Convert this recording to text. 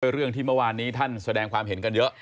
เรื่องที่เมื่อวานนี้ท่านแสดงความเห็นกันเยอะ